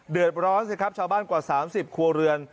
ร้อนสิครับชาวบ้านกว่า๓๐ครัวเรือน